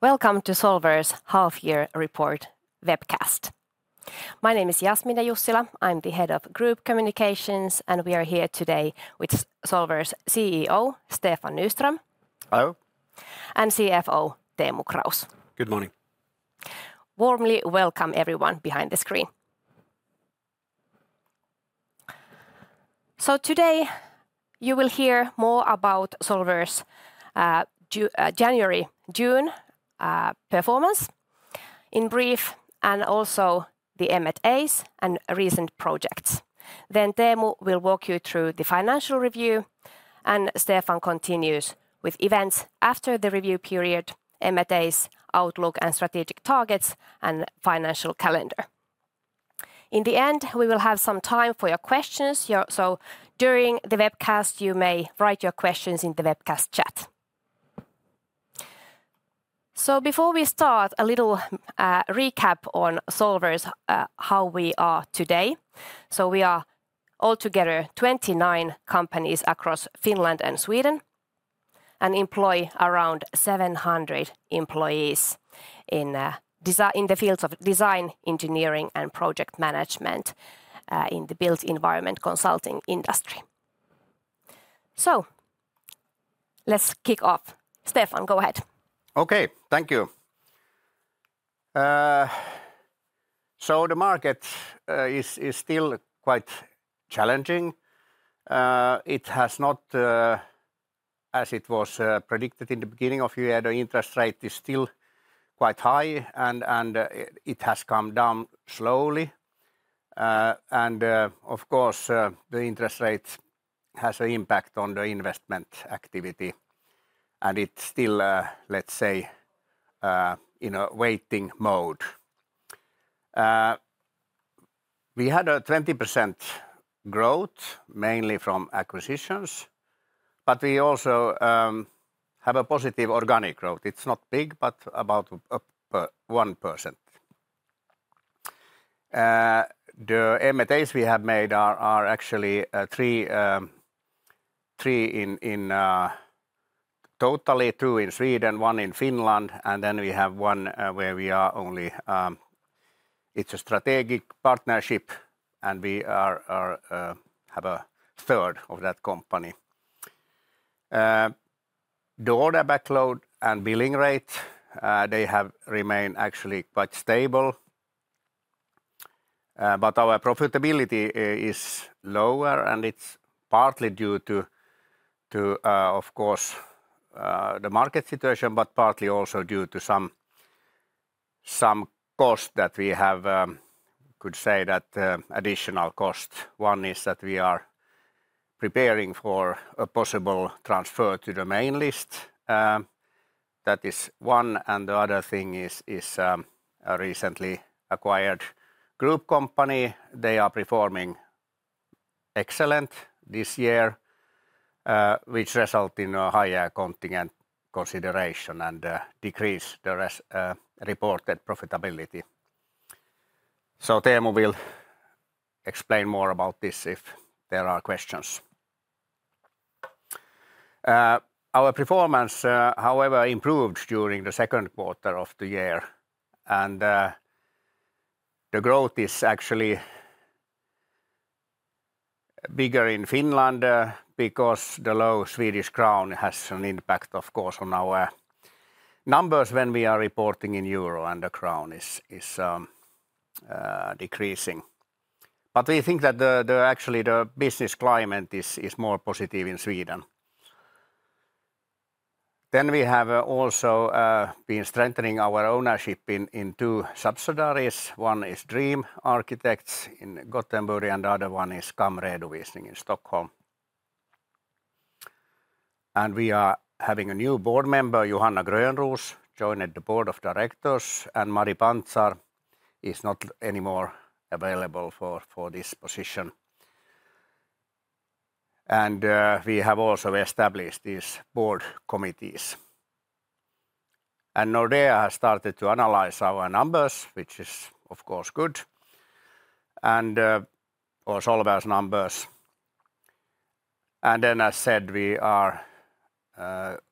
Welcome to Solwers Half-Year report webcast. My name is Jasmine Jussila. I'm the Head of Group Communications, and we are here today with Solwers CEO, Stefan Nyström. Hello. And CFO, Teemu Kraus. Good morning. Warmly welcome everyone behind the screen. Today, you will hear more about Solwers January-June performance in brief, and also the M&As and recent projects. Then Teemu will walk you through the financial review, and Stefan continues with events after the review period, M&As, outlook and strategic targets, and financial calendar. In the end, we will have some time for your questions. Yeah, during the webcast, you may write your questions in the webcast chat. Before we start, a little recap on Solwers, how we are today. We are altogether 29 companies across Finland and Sweden, and employ around 700 employees in the fields of design, engineering, and project management in the built environment consulting industry. Let's kick off. Stefan, go ahead. Okay, thank you. So the market is still quite challenging. It has not, as it was predicted in the beginning of year, the interest rate is still quite high, and it has come down slowly. And of course, the interest rate has an impact on the investment activity, and it's still, let's say, in a waiting mode. We had a 20% growth, mainly from acquisitions, but we also have a positive organic growth. It's not big, but about 1%. The M&As we have made are actually three in total, two in Sweden, one in Finland, and then we have one where we are only. It's a strategic partnership, and we have 1/3 of that company. The order backlog and billing rate, they have remained actually quite stable, but our profitability is lower, and it's partly due to, of course, the market situation, but partly also due to some costs that we have, could say that, additional cost. One is that we are preparing for a possible transfer to the Main List. That is one, and the other thing is, a recently acquired group company. They are performing excellent this year, which result in a higher contingent consideration and, decrease the reported profitability. So Teemu will explain more about this if there are questions. Our performance, however, improved during the second quarter of the year, and the growth is actually bigger in Finland, because the low Swedish crown has an impact, of course, on our numbers when we are reporting in euro, and the crown is decreasing. But we think that the business climate is actually more positive in Sweden. Then we have also been strengthening our ownership in two subsidiaries. One is Dreem Arkitekter in Gothenburg, and the other one is KAM Redovisning in Stockholm. And we are having a new board member, Johanna Grönroos, joined the board of directors, and Mari Pantsar is not anymore available for this position. And we have also established these board committees. And Nordea has started to analyze our numbers, which is, of course, good, and or Solwers' numbers. As said, we are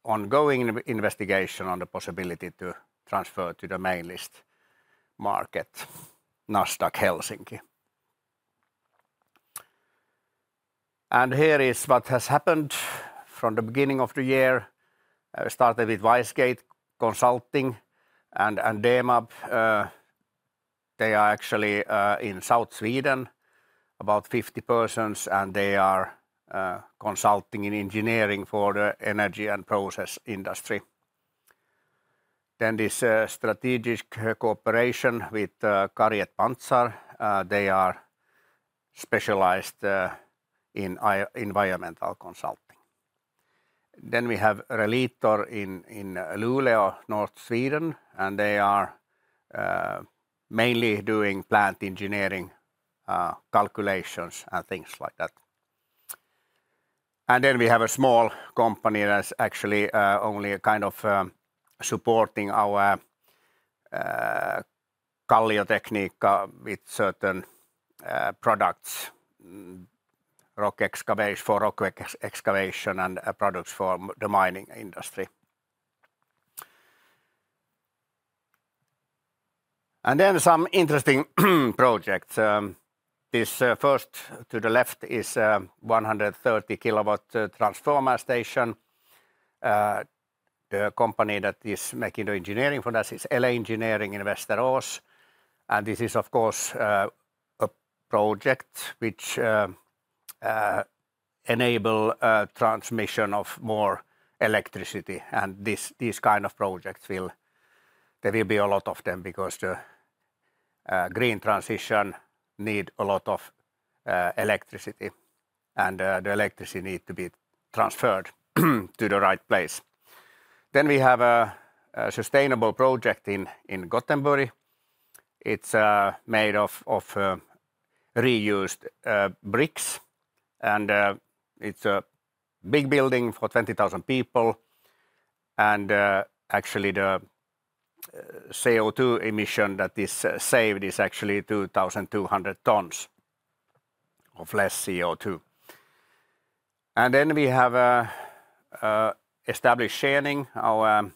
ongoing in investigation on the possibility to transfer to the Main List market, Nasdaq Helsinki. Here is what has happened from the beginning of the year. I started with WiseGate Consulting and Demab. They are actually in south Sweden, about 50 persons, and they are consulting in engineering for the energy and process industry. This strategic cooperation with Kari & Pantsar. They are specialized in environmental consulting. We have Relitor in Luleå, North Sweden, and they are mainly doing plant engineering, calculations and things like that. We have a small company that's actually only a kind of supporting our Kalliotekniikka with certain products, rock excavation and products for the mining industry. Some interesting projects. This first to the left is 130 kW transformer station. The company that is making the engineering for that is ELE Engineering in Västerås, and this is, of course, a project which enable transmission of more electricity, and these kind of projects will. There will be a lot of them, because the green transition need a lot of electricity, and the electricity need to be transferred to the right place. Then we have a sustainable project in Gothenburg. It's made of reused bricks, and it's a big building for 20,000 people, and actually, the CO2 emission that is saved is actually 2,200 tons of less CO2. And then we have Established Schening our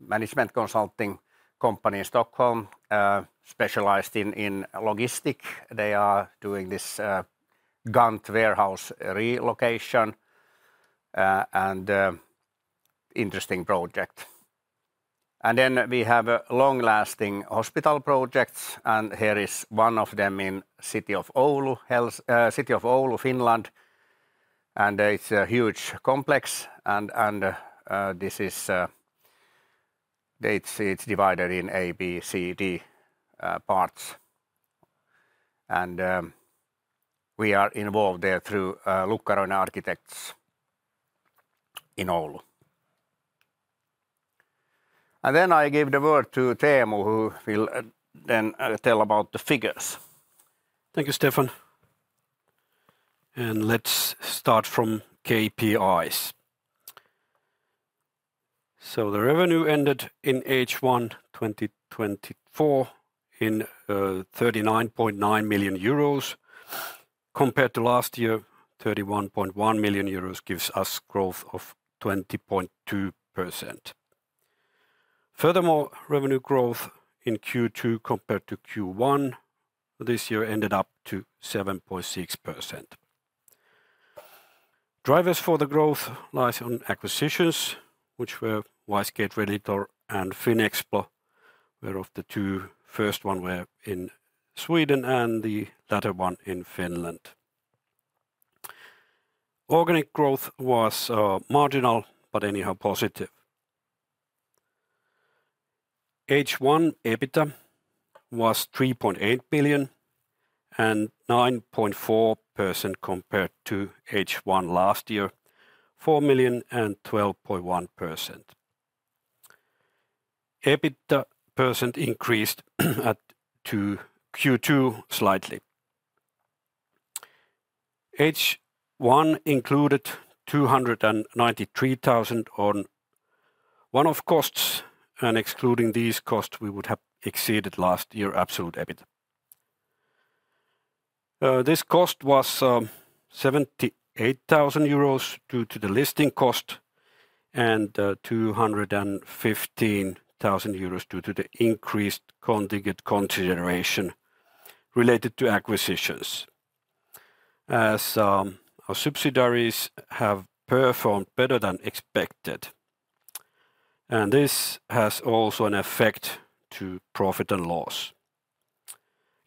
management consulting company in Stockholm, specialized in logistic. They are doing this GANT warehouse relocation, and interesting project. And then we have long-lasting hospital projects, and here is one of them in city of Oulu, health, city of Oulu, Finland, and it's a huge complex, and this is. It's divided in A, B, C, D parts. And we are involved there through Lukkaroinen Architects in Oulu. And then I give the word to Teemu, who will then tell about the figures. Thank you, Stefan. And let's start from KPIs. So the revenue ended in H1 2024 at 39.9 million euros. Compared to last year, 31.1 million euros gives us growth of 20.2%. Furthermore, revenue growth in Q2 compared to Q1 this year ended up to 7.6%. Drivers for the growth lies on acquisitions, which were WiseGate, Relitor and Finexplo, where of the two, first one were in Sweden and the latter one in Finland. Organic growth was marginal, but anyhow, positive. H1 EBITDA was 3.8 million and 9.4% compared to H1 last year, 4 million and 12.1%. EBITDA percent increased at, to Q2 slightly. H1 included 293,000 on one-off costs, and excluding these costs, we would have exceeded last year absolute EBITDA. This cost was 78,000 euros due to the listing cost and 215,000 euros due to the increased contingent consideration related to acquisitions, as our subsidiaries have performed better than expected, and this has also an effect to profit and loss.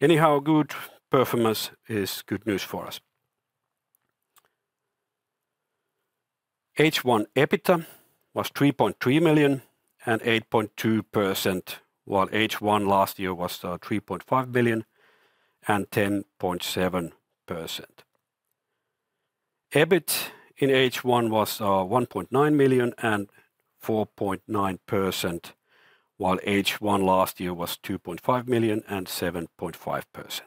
Anyhow, good performance is good news for us. H1 EBITDA was 3.3 million and 8.2%, while H1 last year was 3.5 million and 10.7%. EBIT in H1 was 1.9 million and 4.9%, while H1 last year was 2.5 million and 7.5%.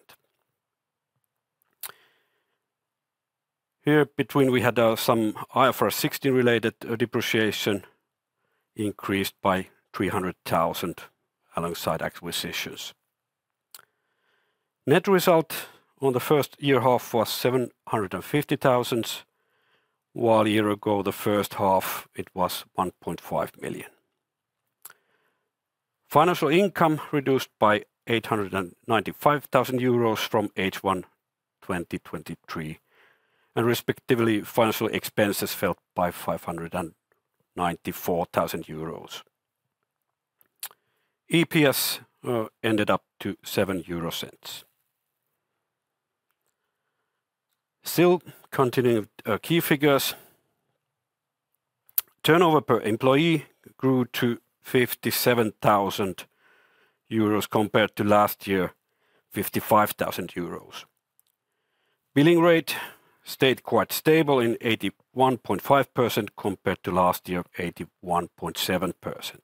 Here between, we had some IFRS 16 related depreciation increased by 300,000 alongside acquisitions. Net result on the first half year was 750,000, while a year ago, the first half it was 1.5 million. Financial income reduced by 895,000 euros from H1 2023, and respectively, financial expenses fell by 594,000 euros. EPS ended up to 0.07 EUR. Still continuing key figures. Turnover per employee grew to 57,000 euros compared to last year, 55,000 euros. Billing rate stayed quite stable in 81.5% compared to last year, 81.7%.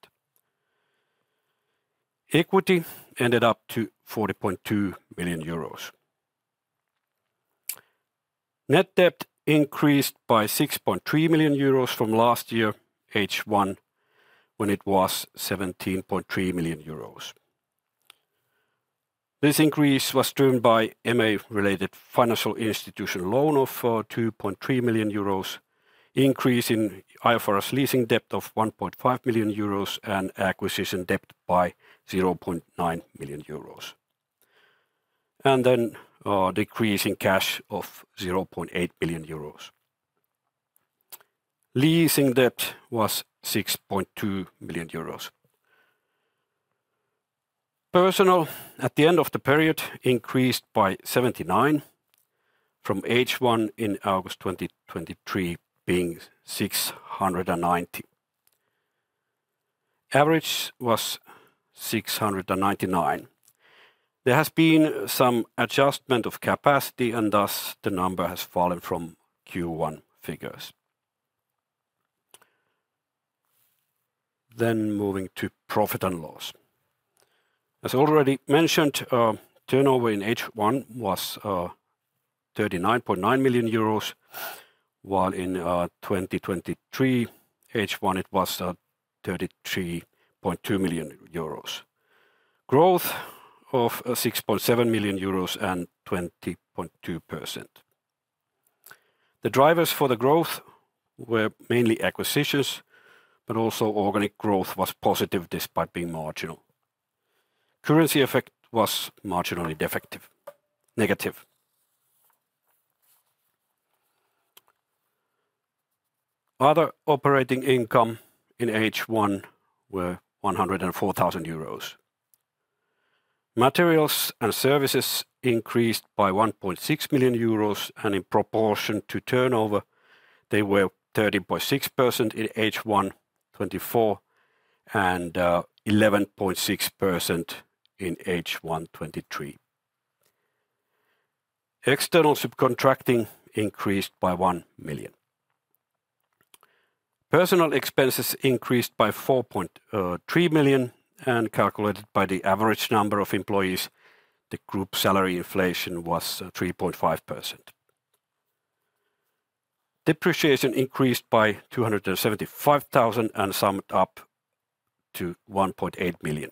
Equity ended up to 40.2 million euros. Net debt increased by 6.3 million euros from last year, H1, when it was 17.3 million euros. This increase was driven by M&A-related financial institution loan of 2.3 million euros, increase in IFRS leasing debt of 1.5 million euros, and acquisition debt by 0.9 million euros. Then, decrease in cash of 0.8 million euros. Leasing debt was 6.2 million euros. Personnel at the end of the period increased by 79 from H1 in August 2023, being 690. Average was 699. There has been some adjustment of capacity, and thus, the number has fallen from Q1 figures. Moving to profit and loss. As already mentioned, turnover in H1 was 39.9 million euros, while in 2023 H1, it was 33.2 million euros. Growth of 6.7 million euros and 20.2%. The drivers for the growth were mainly acquisitions, but also organic growth was positive despite being marginal. Currency effect was marginally defective, negative. Other operating income in H1 2024 was 104,000 euros. Materials and services increased by 1.6 million euros, and in proportion to turnover, they were 13.6% in H1 2024, and 11.6% in H1 2023. External subcontracting increased by 1 million. Personnel expenses increased by 4.3 million and calculated by the average number of employees, the group salary inflation was 3.5%. Depreciation increased by 275,000 and summed up to 1.8 million,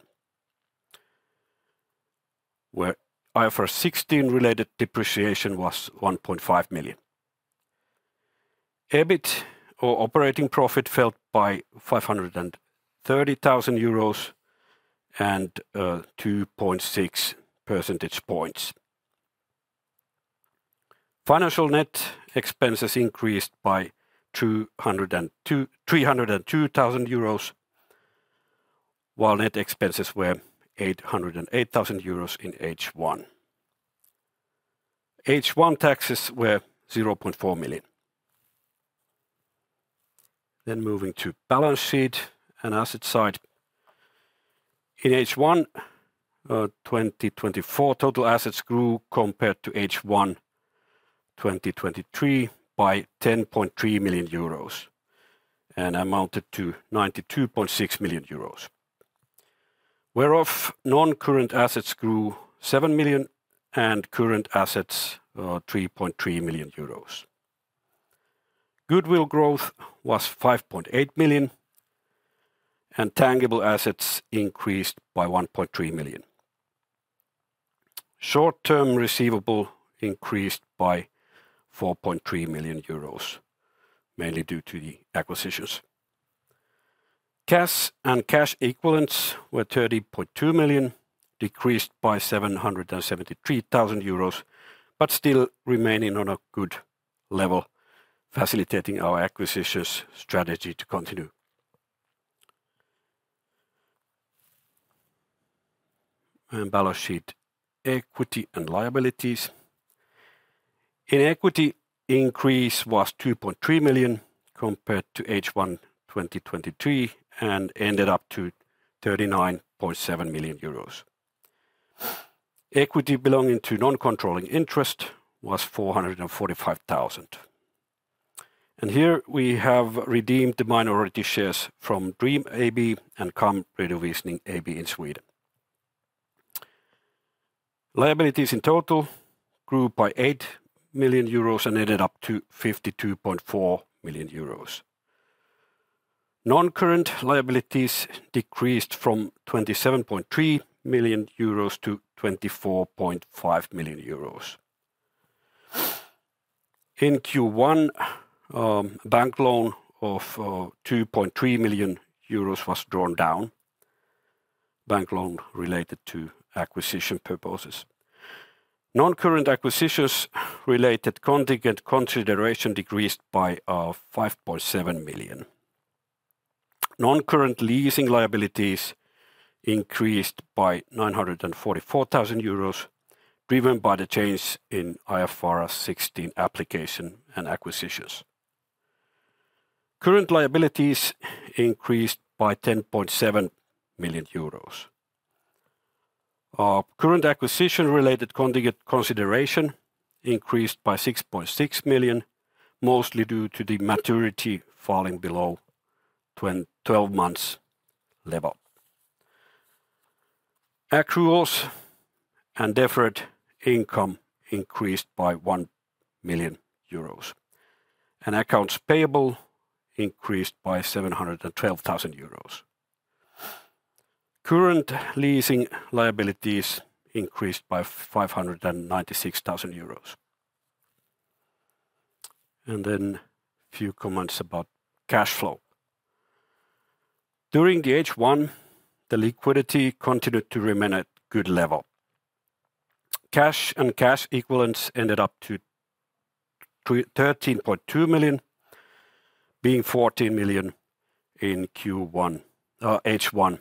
where IFRS 16-related depreciation was 1.5 million. EBIT or operating profit fell by 530,000 euros and 2.6 percentage points. Financial net expenses increased by 302,000 euros, while net expenses were 808,000 euros in H1. H1 taxes were 0.4 million. Then moving to balance sheet and asset side. In H1 2024, total assets grew compared to H1 2023 by 10.3 million euros and amounted to 92.6 million euros, whereof non-current assets grew 7 million and current assets 4.3 million euros. Goodwill growth was 5.8 million, and tangible assets increased by 1.3 million. Short-term receivable increased by 4.3 million euros, mainly due to the acquisitions. Cash and cash equivalents were 30.2 million, decreased by 773,000 euros, but still remaining on a good level, facilitating our acquisitions strategy to continue. And balance sheet, equity, and liabilities. In equity, increase was 2.3 million compared to H1 2023, and ended up to 39.7 million euros. Equity belonging to non-controlling interest was 445,000. And here we have redeemed the minority shares from Dreem AB and KAM Redovisning AB in Sweden. Liabilities in total grew by 8 million euros and ended up to 52.4 million euros. Non-current liabilities decreased from 27.3 million-24.5 million euros. In Q1, bank loan of 2.3 million euros was drawn down, bank loan related to acquisition purposes. Non-current acquisitions-related contingent consideration decreased by 5.7 million. Non-current leasing liabilities increased by 944,000 euros, driven by the change in IFRS 16 application and acquisitions. Current liabilities increased by EUR 10.7. Current acquisition-related contingent consideration increased by 6.6 million, mostly due to the maturity falling below 12 months level. Accruals and deferred income increased by 1 million euros, and accounts payable increased by 712,000 euros. Current leasing liabilities increased by 596,000 euros. Then a few comments about cash flow. During the H1, the liquidity continued to remain at good level. Cash and cash equivalents ended up to 13.2 million, being 14 million in Q1, H1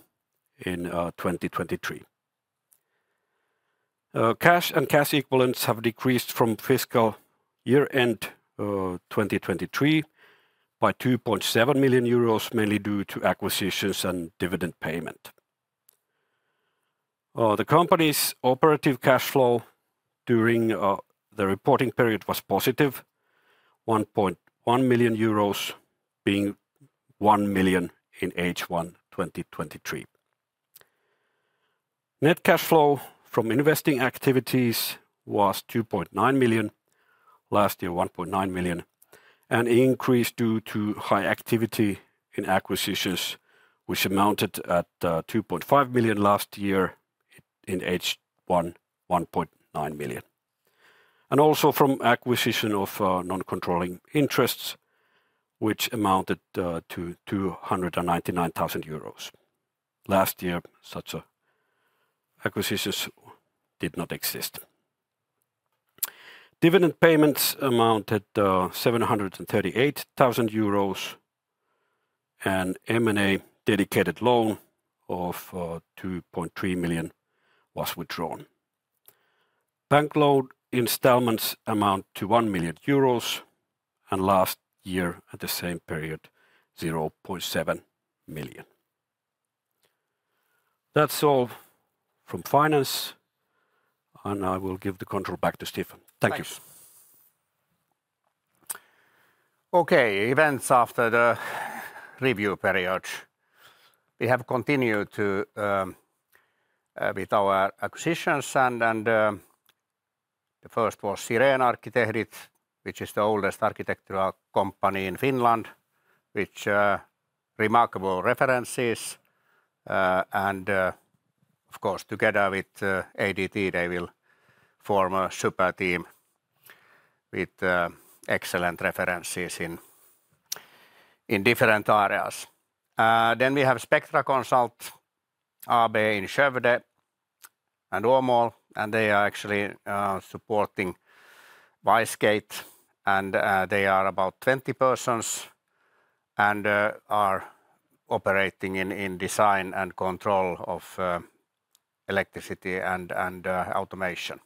in 2023. Cash and cash equivalents have decreased from fiscal year-end 2023 by 2.7 million euros, mainly due to acquisitions and dividend payment. The company's operative cash flow during the reporting period was positive, 1.1 million euros, being 1 million in H1 2023. Net cash flow from investing activities was 2.9 million last year 1.9 million, an increase due to high activity in acquisitions, which amounted at 2.5 million last year in H1 1.9 million. Also from acquisition of non-controlling interests, which amounted to 299,000 euros. Last year such acquisitions did not exist. Dividend payments amounted to 738,000 euros, and M&A dedicated loan of 2.3 million was withdrawn. Bank loan installments amount to 1 million euros, and last year at the same period 0.7 million. That's all from finance, and I will give the control back to Stefan. Thanks. Okay, events after the review period. We have continued to with our acquisitions, and the first was Siren Arkkitehdit, which is the oldest architectural company in Finland, which remarkable references. And of course, together with ADT, they will form a super team with excellent references in different areas. Then we have Spectra Consult AB in Skövde and Åmål, and they are actually supporting WiseGate, and they are about twenty persons, and are operating in design and control of electricity and automation.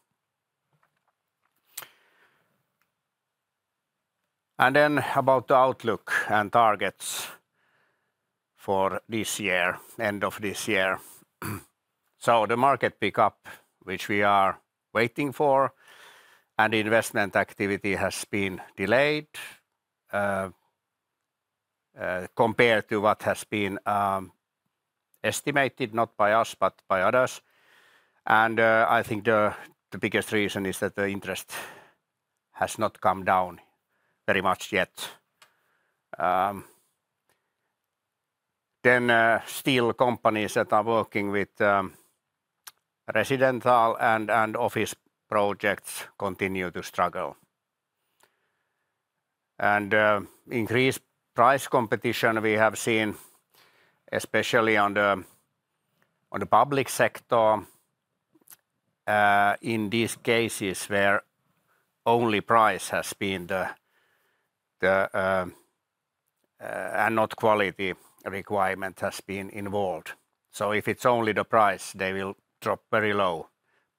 Then about the outlook and targets for this year, end of this year, so the market pick-up, which we are waiting for, and investment activity has been delayed compared to what has been estimated, not by us, but by others. And I think the biggest reason is that the interest has not come down very much yet. Then steel companies that are working with residential and office projects continue to struggle. And increased price competition we have seen, especially on the public sector in these cases where only price has been the and not quality requirement has been involved. So if it's only the price, they will drop very low.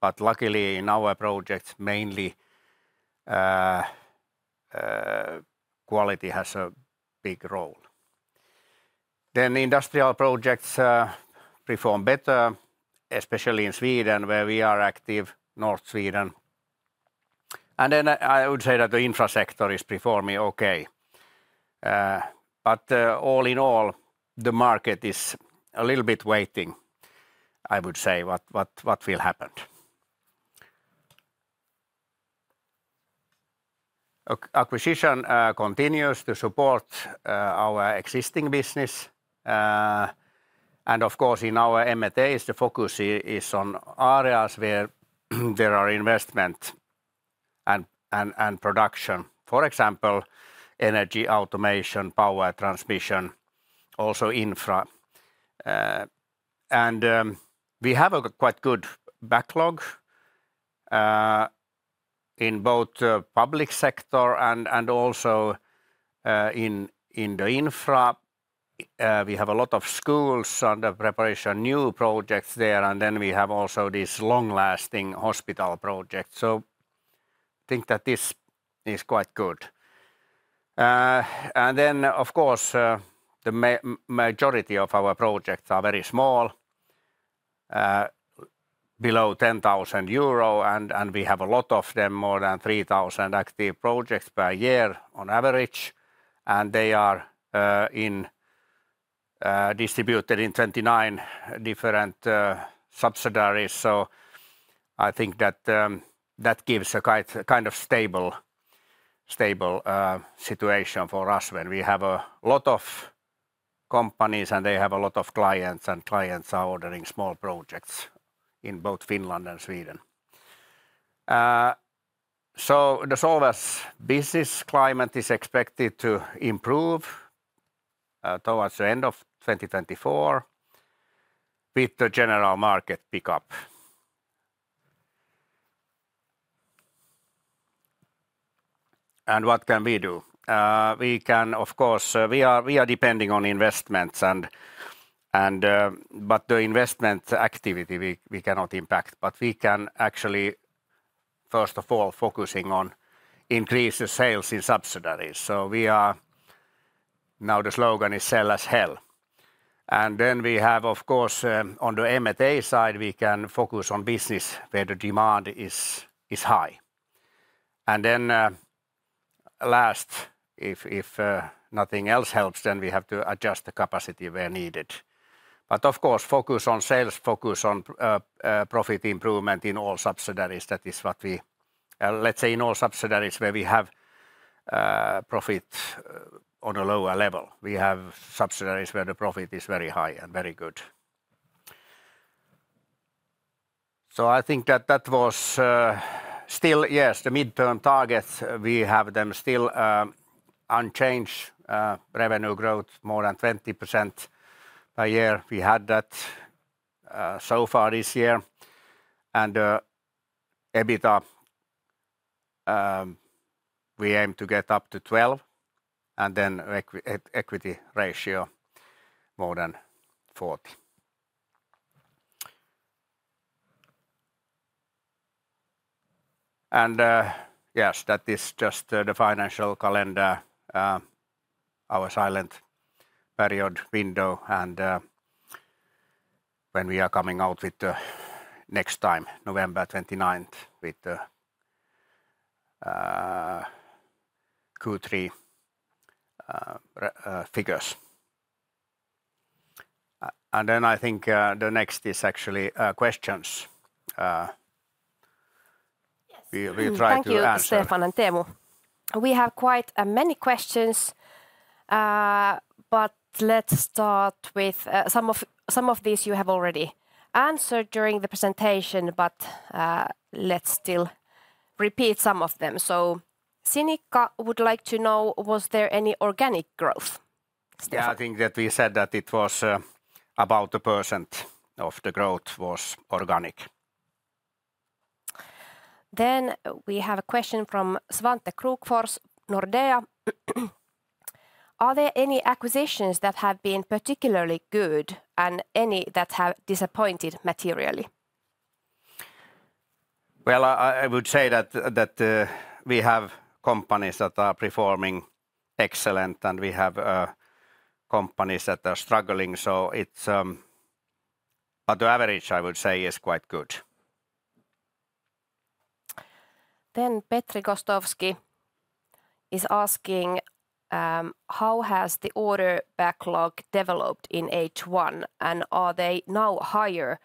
But luckily, in our projects, mainly quality has a big role. Then industrial projects perform better, especially in Sweden, where we are active, north Sweden. And then I would say that the infra sector is performing okay. But all in all, the market is a little bit waiting, I would say, what will happen? Acquisition continues to support our existing business, and of course, in our M&As, the focus here is on areas where there are investment and production. For example, energy, automation, power transmission, also infra. We have a quite good backlog in both the public sector and also in the infra. We have a lot of schools under preparation, new projects there, and then we have also this long-lasting hospital project. I think that this is quite good. Then, of course, the majority of our projects are very small, below 10,000 euro, and we have a lot of them, more than 3,000 active projects per year on average, and they are in- Distributed in 29 different subsidiaries, so I think that that gives a quite kind of stable situation for us when we have a lot of companies, and they have a lot of clients, and clients are ordering small projects in both Finland and Sweden. So the Solwers business climate is expected to improve towards the end of 2024 with the general market pick-up. What can we do? We can, of course, we are depending on investments and, but the investment activity, we cannot impact, but we can actually, first of all, focusing on increase the sales in subsidiaries. We are now the slogan is "Sell as hell!" Then we have, of course, on the M&A side, we can focus on business where the demand is high. And then, last, if nothing else helps, then we have to adjust the capacity where needed. But of course, focus on sales, focus on profit improvement in all subsidiaries. That is what we... Let's say in all subsidiaries where we have profit on a lower level. We have subsidiaries where the profit is very high and very good. So I think that that was still yes the midterm target, we have them still unchanged. Revenue growth more than 20% a year, we had that so far this year. And, EBITDA, we aim to get up to 12, and then equity ratio more than 40%. Yes, that is just the financial calendar, our silent period window, and when we are coming out with the next time, November 29th, with the Q3 figures. Then I think the next is actually questions. Yes. We try to answer. Thank you, Stefan and Teemu. We have quite many questions, but let's start with. Some of these you have already answered during the presentation, but let's still repeat some of them, so Sinikka would like to know: was there any organic growth, Stefan? Yeah, I think that we said that it was about 1% of the growth was organic. Then we have a question from Svante Krokfors, Nordea: Are there any acquisitions that have been particularly good, and any that have disappointed materially? I would say that we have companies that are performing excellent, and we have companies that are struggling, so it's, but the average, I would say, is quite good. Then Petri Gostowski is asking: How has the order backlog developed in H1, and are they now higher,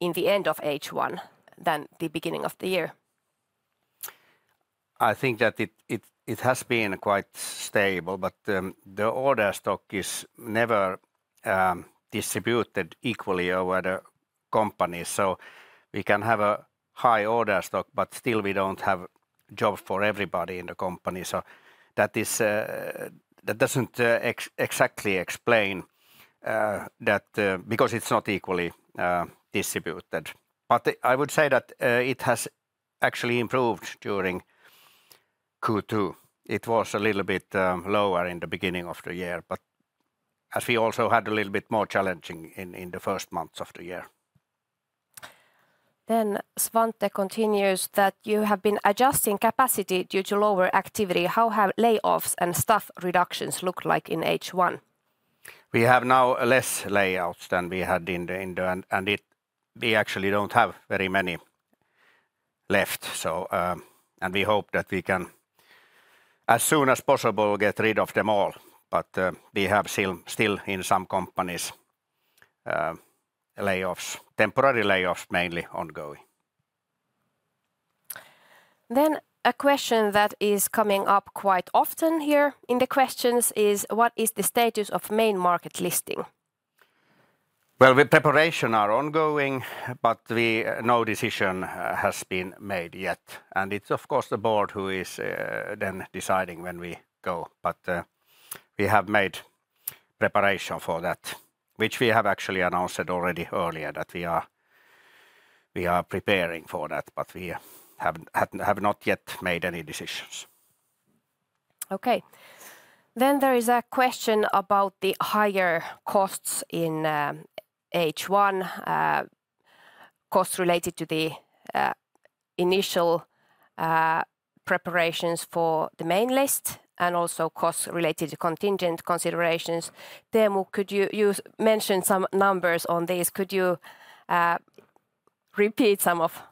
in the end of H1 than the beginning of the year? I think that it has been quite stable, but the order stock is never distributed equally over the company. So we can have a high order stock, but still, we don't have jobs for everybody in the company. So that is that doesn't exactly explain that. Because it's not equally distributed. But I would say that it has actually improved during Q2. It was a little bit lower in the beginning of the year, but as we also had a little bit more challenging in the first months of the year. Then Svante continues that you have been adjusting capacity due to lower activity. How have layoffs and staff reductions looked like in H1? We have now less layoffs than we had, and we actually don't have very many left, so, and we hope that we can, as soon as possible, get rid of them all, but we have still in some companies, layoffs, temporary layoffs, mainly ongoing. Then a question that is coming up quite often here in the questions is: What is the status of Main Market listing? The preparation are ongoing, but we- no decision has been made yet. It's, of course, the board who is then deciding when we go, but we have made preparation for that, which we have actually announced it already earlier, that we are preparing for that, but we have not yet made any decisions. Okay. Then there is a question about the higher costs in H1. Costs related to the initial preparations for the main list, and also costs related to contingent considerations. Teemu, could you, you mentioned some numbers on this. Could you repeat some of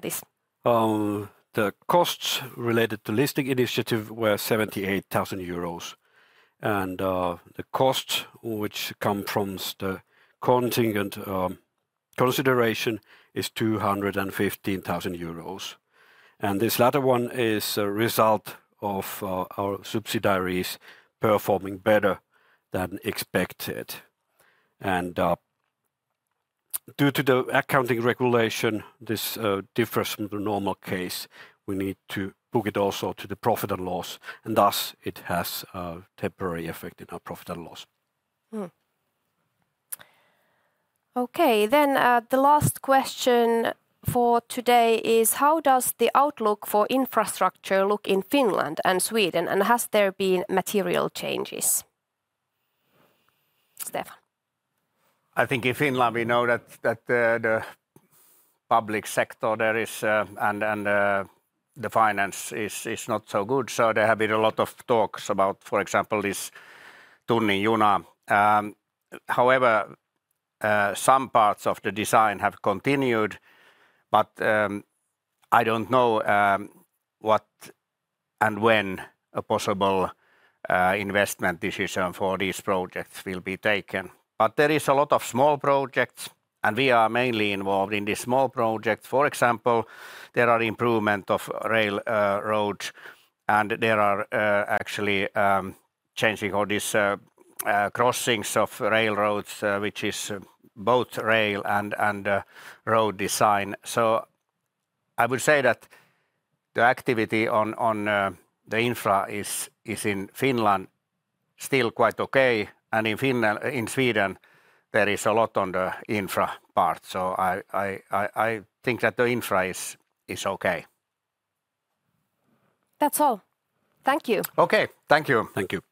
them? The costs related to listing initiative were 78,000 euros, and the costs which come from the contingent consideration is 215,000 euros, and this latter one is a result of our subsidiaries performing better than expected. And due to the accounting regulation, this differs from the normal case. We need to book it also to the profit and loss, and thus, it has a temporary effect in our profit and loss. Okay, then, the last question for today is: How does the outlook for infrastructure look in Finland and Sweden, and has there been material changes? Stefan? I think in Finland we know that the public sector there is. And the finance is not so good, so there have been a lot of talks about, for example, this Tunnin Juna. However, some parts of the design have continued, but I don't know what and when a possible investment decision for these projects will be taken. But there is a lot of small projects, and we are mainly involved in these small projects. For example, there are improvement of rail, road, and there are actually changing all these crossings of railroads, which is both rail and road design. So I would say that the activity on the infra is in Finland still quite okay, and in Sweden there is a lot on the infra part, so I think that the infra is okay. That's all. Thank you! Okay, thank you. Thank you.